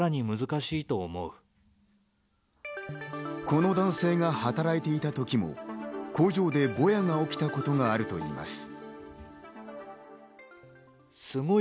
この男性が働いていた時も工場でボヤが起きたことがあるといいます。